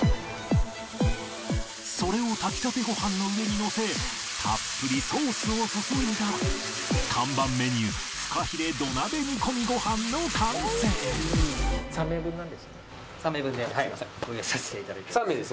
それを炊きたてご飯の上にのせたっぷりソースを注いだ看板メニューフカヒレ土鍋煮込みご飯の完成ご用意させて頂きます。